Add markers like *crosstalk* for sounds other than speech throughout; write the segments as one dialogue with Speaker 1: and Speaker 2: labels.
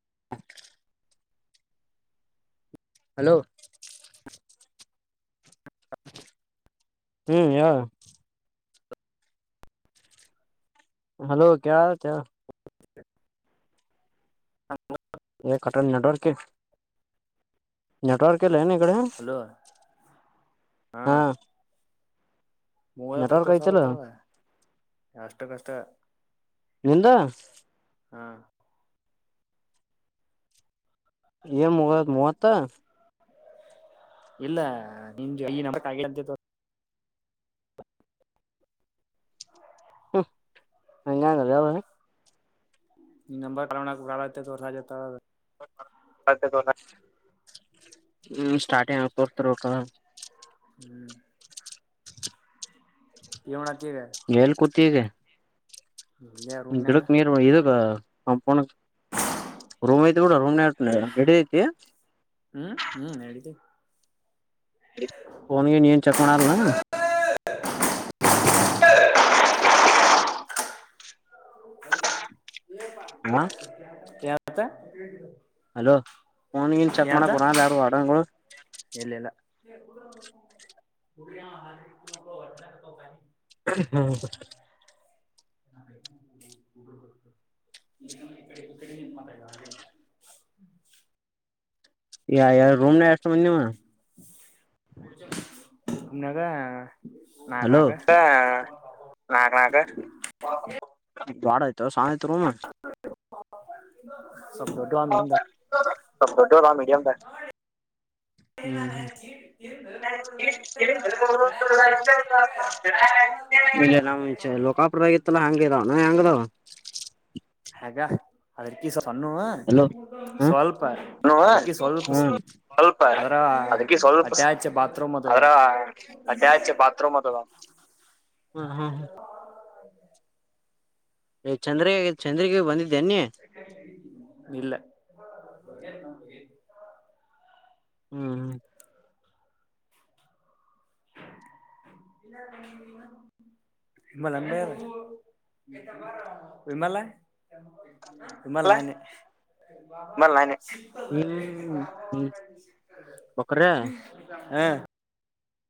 Speaker 1: *unintelligible* Hello ಹ್ಮ್ ಹ hello ಕ
Speaker 2: ಹ
Speaker 1: ಯ ಕಟನ್ ನೆಟವರ್ಕಕ್ಕೆ ನೆಟ್ವರ್ಕ್ ಎಲ್ಲನು ಈ ಕಡೆ
Speaker 2: ಹಲೋ
Speaker 1: ಹಾ
Speaker 2: ಮೂವ ಹ ತ
Speaker 1: ನೆಟ್ವರ್ಕ್ ಐತಲ್ಲ
Speaker 2: ತೋರಿಸಸತಾವ ಎಷ್ಟು ಕಷ್ಟ
Speaker 1: ನಿಂದ
Speaker 2: ಹಾ
Speaker 1: ಏ ಮೂವ ಮೂವತ್ತ
Speaker 2: ಇಲ್ಲ ನಿ ಈ
Speaker 1: ಹಂಗ ಬ್ಯಾವಾರ
Speaker 2: ಈ ನಂಬರ್ ಕತ
Speaker 1: ಹ್ಮ ಸ್ಟ್ಟ
Speaker 2: ಹ್ಮ್ ಎನ್ ಮಾಡಕತ್ತಿ ಈಗ
Speaker 1: ಏಲ್ ಕುಂತಿ ಈಗ
Speaker 2: ಇಲ್ಲೇ ರೂಮ್ನಾಗ
Speaker 1: ಗಿಡಕ್ ನೀರ್ ಇದ ಹ ಪ ರೂಮ್ ಐತಿ ಗೂಡ ರೂಮ್ ನ ಎಡಿಐತಿ
Speaker 2: ಹ್ಮ್ ಹ್ಮ್ ಹೇಳಿದ್ದ
Speaker 1: ಫೋನ್ಗೆ ನೀಏನ್ ಚೆಕ್ ಮಾಡಲ್ನ ಹ ಹ
Speaker 2: ಯತ
Speaker 1: ಹಲೋ ಫೋನ್ಗನ್ ಚೆಕ್ ಮಾಡಕಕ್ ಬರಲ್ಲ ಯಾರು ವಾರ್ಡನಗಳು
Speaker 2: ಇ
Speaker 1: ಹ್ಮ
Speaker 2: ಬಬ ಇ ಇಡೆ ಇಡೆ ನಿರ್ಮತಲ್ಲ ಅ
Speaker 1: ಯಡು ರೂಮ್ ನ ಎಷ್ಟು ಮಂದಿ ನಿಮ್ಮ್
Speaker 2: ನಾಗ
Speaker 1: ಹಲೋ ನ ನಕ ಬಡ ಆಯ್ತ ತತ್ರವ
Speaker 2: *unintelligible* ನಾನ ಚೀ
Speaker 1: ಅ ಎಷ್ಟ ಮ ನಾಮ ವಿಚ ಲೋಕಾಪುರ *unintelligible*
Speaker 2: ಹೆಂಗ್ ಅದಕಿ ಸಣ್ಣ
Speaker 1: ಎಲ್ಲೋ
Speaker 2: ಸ್ವಲ್ಪ
Speaker 1: ನೋವ
Speaker 2: ಅದಕಿ ಸ್ವಲ್ಪ
Speaker 1: ಸ್ವಲ್ಪ
Speaker 2: ಅದ್ರ
Speaker 1: ಅದಕ್ಕೆ ಸ್ವಲ್ಪ
Speaker 2: ಅಟ್ಯಾಚ್ ಬಾತ್ರೂಮ್ ಅದದ
Speaker 1: ಅ್ರ ಅಟ್ಯಾಚ್ ಬಾತ್ ರೂಮ್ ಅದು. ಹ್ಮ್ ಹ್ಮ್ ಚಂದ್ರಿ ಚಂದ್ರಿಗ ಬಂದಿದ್ದ ಅನ್ನಿ.
Speaker 2: ಇಲ್ಲ
Speaker 1: ಹ್ಮ್ ಹ್ಮ
Speaker 2: *inaudible* *unintelligible* ನಿುಮ್ಮಲ್ ನಾನೆ
Speaker 1: ಹ್ಮ್ ಹ್ಮ್ ಬಕ್ರೆ
Speaker 2: *unintelligible* ಹ್ಮ್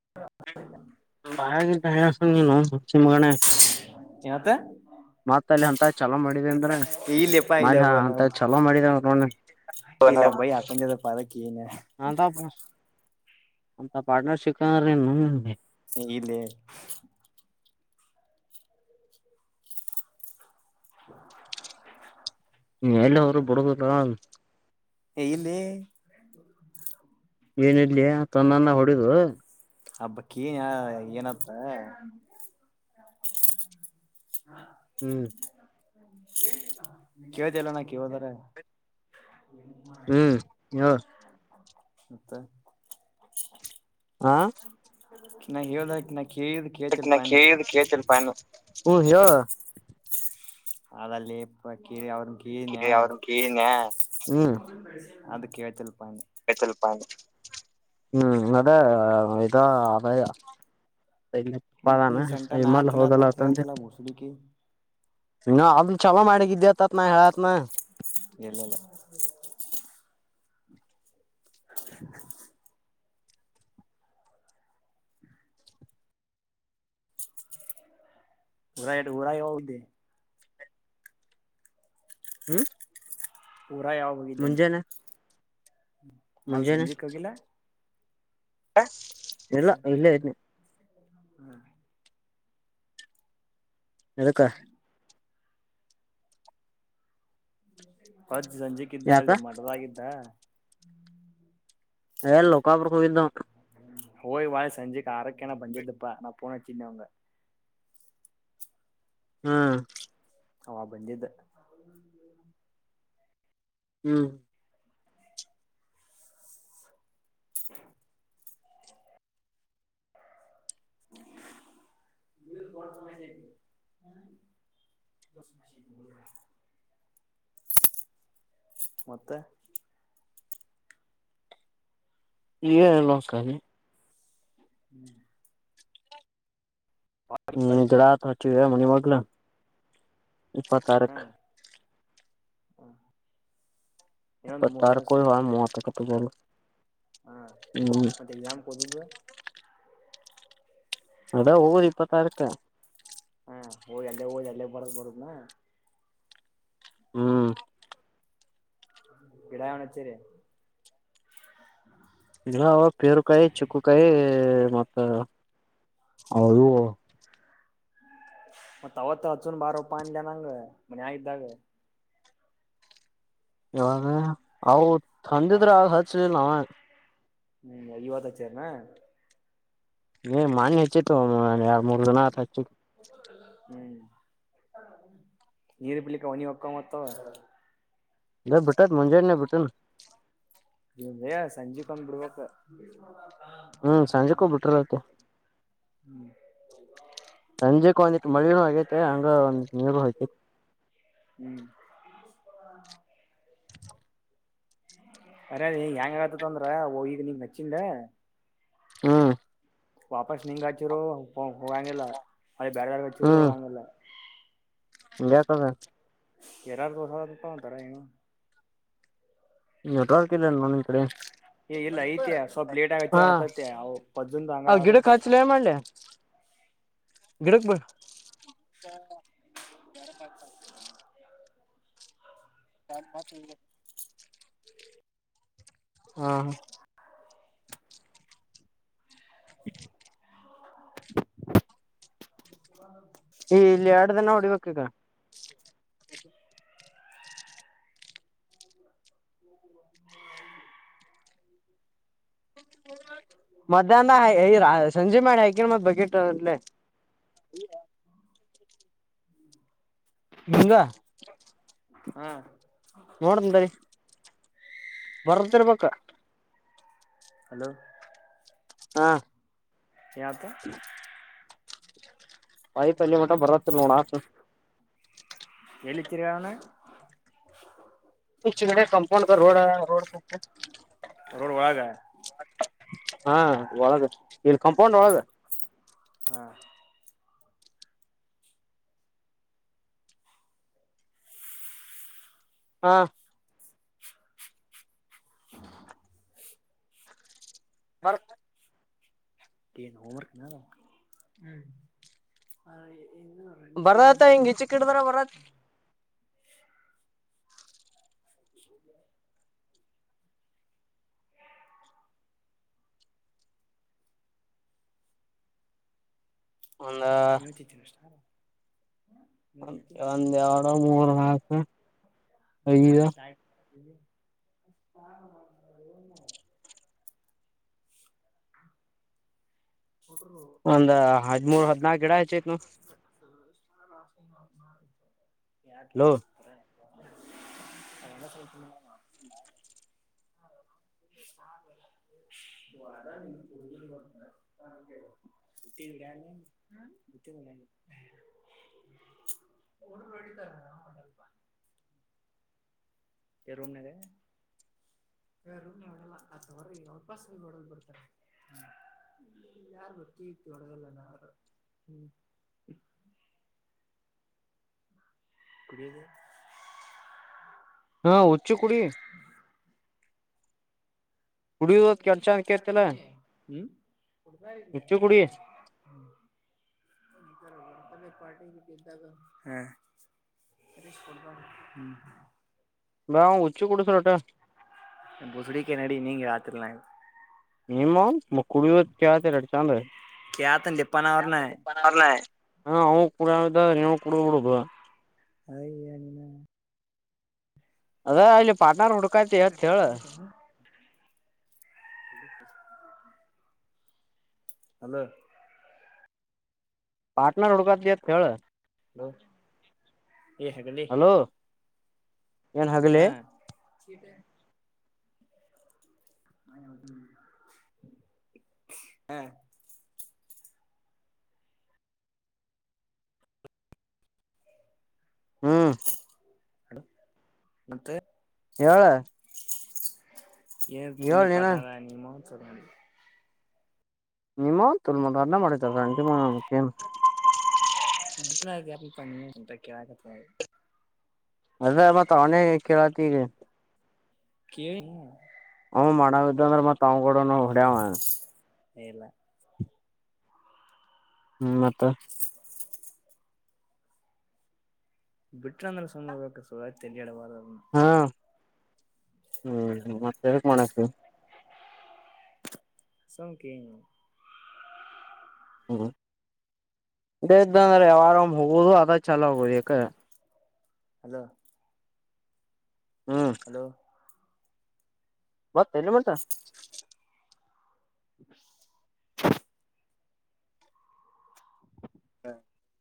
Speaker 2: *inaudible*
Speaker 1: *unintelligible* ಹುಚ್ಚು ಮಗನೆ
Speaker 2: ಯಥೆ
Speaker 1: ಮತ್ತ್ ಅಲ್ಲಿ ಅಂತ ಚಲೋ ಮಾಡಿದ ಅಂದ್ರ
Speaker 2: ಇಲ್ಲಪ್ಪ ಇಲ್ಲ
Speaker 1: *unintelligible*
Speaker 2: ಅವನು
Speaker 1: ಅಂತಾ ಚಲೋ ಮಾಡಿದ ನಿ
Speaker 2: ಇಲ್ಲ ಬಯಿ ಹಾಕೊಂಜದಪ ಅದಕ್ಕ್ ಏನ್
Speaker 1: ಅಂತಾ ಅಂತಾ ಪಾರ್ಟನರ್ ಶಿಕ್ಕಾರೆ ನಮ್
Speaker 2: ಇಲ್ಲೇ *inaudible*
Speaker 1: ಮೇಲೆ ಅವರು ಬಿಡುಗುರು
Speaker 2: ಏ ಇಲ್ಲೆ *unintelligible*
Speaker 1: ಏ ನಡಿಲೆ ತನ್ನನ್ನ ಹೊಡಿದ
Speaker 2: ಹಬ್ಬಕ್ಕಿ *unintelligible* ಏನತ್ತ ಹಾ
Speaker 1: ಹ್ಮ್
Speaker 2: ಕೇಳಿದ್ಯ ಇಲ್ಲ ನ ಕೇಳ್ಬೇಕ
Speaker 1: ಹ್ಮ್ ಹೇಳ
Speaker 2: *unintelligible*
Speaker 1: ಹಾ
Speaker 2: ನಾ ಹೇಳದ ನಾ ಕೇಳ
Speaker 1: ಬಟ್ ನಾ ಕೇಳ ಕೇಳ್ತಿಲ್ ಪ ಅನ್ನೂ *unintelligible*
Speaker 2: ಅಲ್ಲ ಲೆ ಯಪ್ಪ ಕೇಳ್ ಅವ್ರನ ಹೀನ
Speaker 1: ಅವ್ರನ್ ಕೇಳಿನ್ಯಾ ಹ್ಮ್
Speaker 2: ಅದ ಕೇಳ್ತಿಲ್ ಪ ನಿ
Speaker 1: *unintelligible* ಹ್ಮ್ ಅದ ಮತ್ತೆ ಇದಾ ಅವಾ
Speaker 2: ಮತ್ ನೀ ಸಂಟ ನಾ
Speaker 1: *unintelligible* ಹೋಗಲ್ಲ
Speaker 2: ತಿನ್ನತ್ನಂತ
Speaker 1: ಅಂತ ಅಂದೆ
Speaker 2: ಹೇಳ್ತಿಲ್ಲ ಮುಸುಡಿಕಿ
Speaker 1: ಇ ಅವ ಚಲೊ ಮಾಡಿದ್ದೆ ಇದಿದ್ದೇತತ್ ನ ಹೇಳತ್ನ
Speaker 2: ಎಲ್ಲಲ್ಲ *unintelligible* *inaudible* *unintelligible* ಹೋಗಿ
Speaker 1: ಹ್ಮ್
Speaker 2: ಊರ ಯಾವ
Speaker 1: ಮುಂಜಾನೆ
Speaker 2: ಮಲ್
Speaker 1: ಮುಂಜಾನೆ
Speaker 2: ಸಂಜೀ ಕೋಗಿಲ್ಲ
Speaker 1: ಇಲ್ಲ ಇದ್ದೀನಿ
Speaker 2: ಹ
Speaker 1: ಎದಕ್ಕ
Speaker 2: ಪಜ್ಜ್ ಸಂಜೆಕ್ಕಿದ್ದ
Speaker 1: ಯಾಕ
Speaker 2: ಅಲ್ಲಿ ಮಟದಾಗಿದ್ದ
Speaker 1: ಏ ಲೋಕಾಪುರಕ್ಕೆ ಹೋಗಿದ್ದ
Speaker 2: ಒಯ್ ವಾಯ್ ಸಂಜೆಕ್ ಆರಕ್ಕೆ ನಾ ಬಂದಿದಪ್ಪಾ ನಾ ಫೋನ್ ಅಚ್ಚಿದೆ ಅವಂಗ
Speaker 1: ಹ್ಮ್
Speaker 2: ಅವಾಗ ಬಂದಿದ್ದ
Speaker 1: ಹ್ಮ್
Speaker 2: *unintelligible* ಇನ್ನು ಬಾಳ ಸಮಯ *unintelligible* ಮತ್ತೆ
Speaker 1: ಏನೇನ್ ನೋಡಸ್ಲ ನಿ
Speaker 2: ಹ್ಮ್
Speaker 1: ಹ್ಮ್
Speaker 2: ಕಳಿತ
Speaker 1: ಜಡಾತ್ ಹಚ್ಚ ಮಂಡಿಮಕ್ಳು ಇಪ್ಪತ್ತಾರಕ್
Speaker 2: *unintelligible*
Speaker 1: ಪ್ಪ
Speaker 2: ಮೂರ್
Speaker 1: ತಾರಕ
Speaker 2: ದಿವಸ
Speaker 1: ಹ ಮೂಹತ್ತ ಕಟ್ಟಿ ಜಲ್ಲ ಹ್ಮ್ *unintelligible*
Speaker 2: ಎಕ್ಸ್ ಕೂದುದು *unintelligible*
Speaker 1: ಅದ ಊರು ಇಪ್ಪತ್ತಾರಕ್ಕೆ
Speaker 2: ಹಾ ಹೋಗಿ ಅಲ್ಲೇ ಹೋಗಿ ಅಲ್ಲೇ ಬರಕ್ ಬರಗ್ನ
Speaker 1: ಹ್ಮ್
Speaker 2: ಗಿಡ ಅಚ್ಚರಿ
Speaker 1: ಇಲ್ಲ ಪೇರುಕಾಯಿ ಚಿಕ್ಕಕಾಯಿ ಮತ್ತ
Speaker 2: ಮತ್ ಅವತ್ ಹಚ್ಚುನ್ ಬಾರಪ್ಪ ಅಂದೇ ನಾನು ಮ್ಯಾಗ ಇದ್ದಾಗ
Speaker 1: ಯವಾಗ ಅ ತಂದಿದ್ರ ಆಗ ಹಚ್ಚುದಿಲ್ಲ ಅವ
Speaker 2: ಈವಾಗ ಅಚ್ಚಿದನ
Speaker 1: ಏ ಮಣಿ ಹಚ್ಚಿತ್ತುು ಎರಡು ಮೂರ್ ದಿನ ಆತ ಹಚ್ಚಿ
Speaker 2: ಹ್ಮ್ ನೀರು ಪಿಳಿಕ ಒನ ಒಕ್ಕ ಅಂತ
Speaker 1: ಲೇ ಬಿಟ್ಟತಿ ಮುಂಜಾನೆ ನೇ ಬಿಟ್ಟತ
Speaker 2: ಇಯಾ ಸಂಜು ಕಂದ್ ಬಿಡ್ವೋಕ *unintelligible*
Speaker 1: ಹ್ಮ್ ಸಂಜೆ ಬಿಟ್ರ ಆಯ್ತು
Speaker 2: ಹ್ಮ್
Speaker 1: ಸಂಜೆಕ್ ಒಂದಿ ಮಳ ಆಗೇತೆ ಹಂಗ ಒಂದ ನೀರು ಹೋಗತಿ
Speaker 2: ಹ್ಮ್ ಅರ ನೀ ಹೆಂಗ ಆಗತ್ತ ಅಂದ್ರ ಹೋಗಿನಿ ನಚ್ಚನ್
Speaker 1: ಹಾ
Speaker 2: ವಾಪಸ್ ನಿಂಗಗೆ ಹಚ್ಚಿರು ಹೋಗಂಗಿಲ್ಲ ಮಳೆ ಬೇರೆದಾರ್ಗೆ ಹಚ್ಚಿದರು ಹೋಗಂಗಿಲ್ಲ
Speaker 1: ನಿಯತಾಗ
Speaker 2: ಯಾರಗು ಒಂತರ ಇನ್ *unintelligible* ಏ ಇಲ್ಲ ಐತೆ
Speaker 1: *unintelligible*
Speaker 2: ಸ್ವಲ್ಪ ಲೇಟ್ ಆಗ
Speaker 1: ಹಾ
Speaker 2: ಹಚ್ಚಿರ ಆತೈತೆ ಅವು ಪಜ್ಜಂದು ಹಂಗ
Speaker 1: ಅವ ಗಿಡ
Speaker 2: ಆತೈತೆ
Speaker 1: ಕಾಚಿಲ್ಲ ಮಾಡಂಡ ಗಿಡಕ್ ಬರ್ *inaudible* ಹ್ಮ *inaudible* ಕತಿ *unintelligible* *inaudible* ಹಾ *inaudible*
Speaker 2: ಹ
Speaker 1: ಈ ಇಲ್ಲಿ ಎರಡು ದಿನ ಹೊಡಿಬೇಕ ಇಗ
Speaker 2: *inaudible*
Speaker 1: ಮಧ್ಯಾಹ್ನ ಸಂಜೆ ಮಾಡಿ ಆಕ ಮತ್ ಬಗ್ಟ ಅಲ್ಲೆ *inaudible* ಇಂಗ
Speaker 2: ಹಾ
Speaker 1: ನೋಡಂದ ಬರ್ತಿರ್ಬೇಕು
Speaker 2: ಹಲೋ
Speaker 1: ಹಾ
Speaker 2: ಯಾಕ
Speaker 1: ವಾಯಿ ತಲ್ಲಿ ಮಟ್ಟ ಬರತ್ತ ನೋಡಾತ್
Speaker 2: ಎಳಚರುಗಾನ
Speaker 1: ಚಿಂಗಡ ಕಂಪಾೌಂಡ ರೋಡ ರೋ
Speaker 2: ರೋಡ್ವಳ ಆಗ
Speaker 1: ಹಾ ಒಳಗ ಇಲ್ಲಿ ಕಾಂಪೌಂಡ್ ಒಳಗ
Speaker 2: ಹ್ಮ
Speaker 1: ಹಾ ಹರ್
Speaker 2: ನು ಹೋರ್ ಹ್ಮ
Speaker 1: ಬರತ್ ಹಿಂಗ್ ಇಚೆ ಕಿಡಿದ್ರ ಬರತ್ ಒಂದ
Speaker 2: ನೋತತೀನಿ ಅಷ್ಟ ಹೇಳ್ತಿದ್ದಿ
Speaker 1: ಒಂದ ಎರಡು ಮೂರು ಮಾಸ ಐದು
Speaker 2: ಹ *unintelligible* ಹಟ
Speaker 1: ಒಂದ್ ಹದ್ಮೂರ್ ಹದ್ನಾಾಕು ಗಿಡ ಹೆಚ್ಚೈತ್ ಲೋ
Speaker 2: ಹ ಸ ದ್ವಾರ ನೀ ಪಜ ಹತ್ತಿ ಇರಾನತ್ತ ಒಡು ಎಡಿ ತಾರ ನನ್ ಪ *unintelligible* ಹ್ಮ್ ಯಾರ್ು ಬರ್ತತಿ ಒಡಗಲ್ಲ ನಾರ ಹ್ಮ್ ಕುಡಿಯ
Speaker 1: ಹಾ ಹಚ್ಚು ಕುಡಿ ಕುಡಿಯೋದ್ ಕೆಲ್ಸ ಅನ್ಕೇತಿಲ್ಲ ಹುಚ್ಚು ಕುಡಿ
Speaker 2: *unintelligible* ಪಾರ್ಟಿ ಬಿದ್ದ ಹ ಷ್ ಕೊಡ್ಬ ಹ್ಮ
Speaker 1: ಬಾ ಹುಚ್ಚಿ ಕುೂಡಸರೋಟ
Speaker 2: ಬಸಡಿಕೆ ನಡಿ ನೀಂ ರಾತ್ರಿ ನ
Speaker 1: ನಿಮ್ ಕುಡಿಯುವ ಕ ಎರಡು ಚಂದ
Speaker 2: ಕೇಳ್ತಾನ ಲಿಪ್ಪನ ಅವ್ರನ್ನ
Speaker 1: ಹವು ಕುಡ ನೀ ಕುಡ ಬಿಡುದು
Speaker 2: ಹನಿನ
Speaker 1: ಅದಾ ಅಲ್ಲಿ ಪಾಟ್ನಾರ್ ಮಾಡಡು
Speaker 2: ಕತ ಅಮ್ಮ
Speaker 1: *unintelligible*
Speaker 2: ಹಲೋ ಏ ಹಾಗಕಲ್ಲಿ
Speaker 1: ಹಲೋ ಏನ್ ಹಗ್ಲಿ
Speaker 2: ಹ್ಮ್ ಹಾ
Speaker 1: ಹ್ಮ್
Speaker 2: ಹಲೋ ನತ್ತೆ
Speaker 1: ಹೇಳಳಾ ಹೇಳ ನೀನ
Speaker 2: *unintelligible*
Speaker 1: *unintelligible*
Speaker 2: *unintelligible*
Speaker 1: *unintelligible*
Speaker 2: *unintelligible*
Speaker 1: ಹ್ ಮಾಡವಿದ್ದಂದ್ರೆ ಮತ್ ಅವ್ಗಡ ಹೊಡ್ಯವ.
Speaker 2: ಹಲ್ಲ
Speaker 1: ಹ್ಮ್ ಮತ್ತ.
Speaker 2: ಬಿಟ್ರಾಂದರ ಸಮ ಸ ತಿಲ್ಲಿಿಡವಾರ
Speaker 1: ಹಾ ಹ್ಮ ಮತ್ತೆ ಹೇಕ್ ಮಾಡತ.
Speaker 2: ಸಂಕೀ.
Speaker 1: ಹ್ಮ್ ಇಡ ಇದ್ದ ಅಂದ್ರೆ ಯಾರಾಮ ಹೋಗುದು ಅದ ಚಲ ಆಗುದು ಯಾಕ.
Speaker 2: ಹಲೋ.
Speaker 1: ಹ್ಮ
Speaker 2: ಹಲೋ.
Speaker 1: ಮತ್ತ ಎಲ್ಲಿ ಮಾಡ್ಾ.
Speaker 2: *unintelligible*
Speaker 1: *unintelligible*